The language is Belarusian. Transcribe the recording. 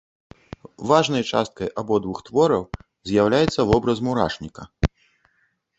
Важнай часткай абодвух твораў з'яўляецца вобраз мурашніка.